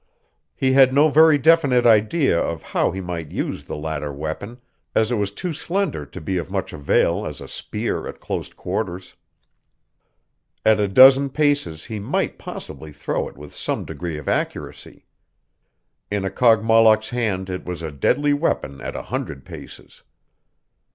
He had no very definite idea of how he might use the latter weapon, as it was too slender to be of much avail as a spear at close quarters. At a dozen paces he might possibly throw it with some degree of accuracy. In a Kogmollock's hand it was a deadly weapon at a hundred paces.